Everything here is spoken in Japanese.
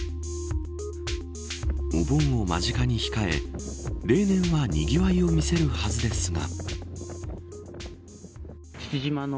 お盆を間近に控え例年はにぎわいを見せるはずですが。